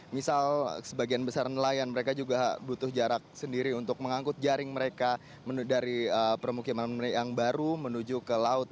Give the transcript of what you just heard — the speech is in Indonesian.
misal sebagian besar nelayan mereka juga butuh jarak sendiri untuk mengangkut jaring mereka dari permukiman yang baru menuju ke laut